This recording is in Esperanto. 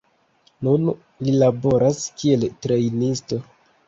Nun li laboras kiel trejnisto.